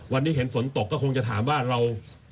วันนี้เห็นฝนตกก็คงจะถามว่าเรา